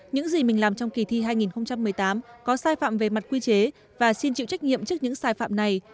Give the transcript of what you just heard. những gì mình làm trong kỳ thi hai nghìn một mươi tám có sai phạm về mặt quy chế và xin chịu trách nhiệm trước những sai phạm này